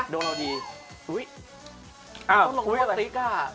ต้องลงโมฟุตตรอติ๊กอะ